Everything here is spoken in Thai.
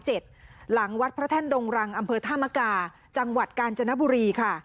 หลังวัดพระแท่นดงรังอำเภอธามกาจังหวัดกาญจนบุรีค่ะ